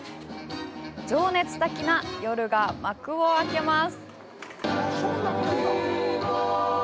情熱的な夜が幕をあけます。